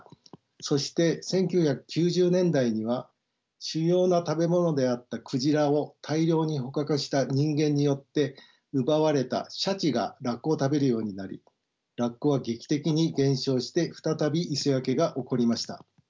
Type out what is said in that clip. そして１９９０年代には主要な食べ物であった鯨を大量に捕獲した人間によって奪われたシャチがラッコを食べるようになりラッコは劇的に減少して再び磯焼けが起こりました。